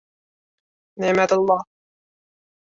— Ne’matullo!